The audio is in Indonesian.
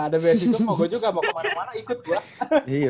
ada bensin mau gue juga mau kemana mana ikut gue